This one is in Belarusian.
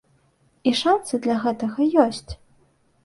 І шанцы для гэтага ёсць.